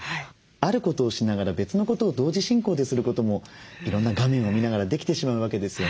あることをしながら別のことを同時進行ですることもいろんな画面を見ながらできてしまうわけですよね。